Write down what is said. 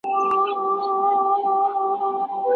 ناروغان درمل اخیستي دي.